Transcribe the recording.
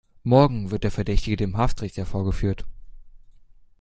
Morgen wird der Verdächtige dem Haftrichter vorgeführt.